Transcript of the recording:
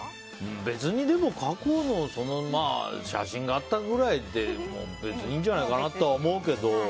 別に過去の写真があったぐらいは別にいいんじゃないかなとは思うけど。